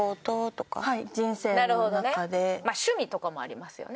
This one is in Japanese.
趣味とかもありますよね。